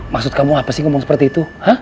maksud kamu apa sih ngomong seperti itu